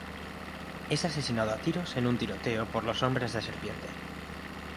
Es asesinado a tiros en un tiroteo por los hombres de Serpiente.